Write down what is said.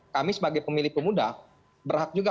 kami sebagai pemilih pemuda berhak juga